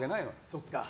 そっか。